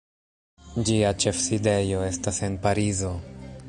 Ĝia ĉefsidejo estas en Parizo.